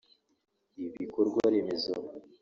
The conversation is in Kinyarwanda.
ibikorwa remezo